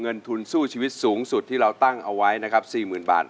เงินทุนสู้ชีวิตสูงสุดที่เราตั้งเอาไว้นะครับ๔๐๐๐บาท